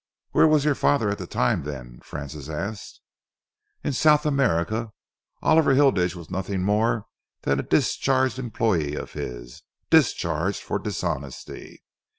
"Where was your father at the time, then?" Francis asked. "In South America. Oliver Hilditch was nothing more than a discharged employé of his, discharged for dishonesty.